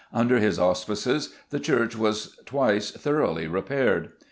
Under his auspices the church was twice thoroughly repaired.